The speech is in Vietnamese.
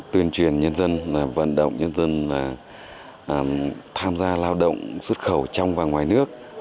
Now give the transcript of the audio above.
tuyên truyền nhân dân vận động nhân dân tham gia lao động xuất khẩu trong và ngoài nước